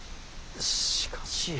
しかし。